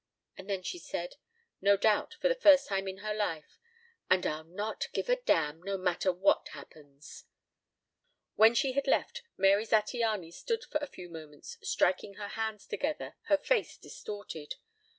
And then she said, no doubt for the first time in her life: "And I'll not give a damn, no matter what happens." When she had left Mary Zattiany stood for a few moments striking her hands together, her face distorted.